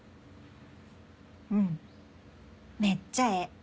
うんめっちゃええ。